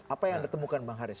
apa yang anda temukan bang haris